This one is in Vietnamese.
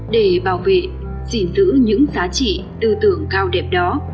để bảo vệ gìn giữ những giá trị tư tưởng cao đẹp đó